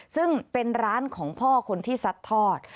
ซึ่งเป็นร้านของพ่อคนที่ซัดทอด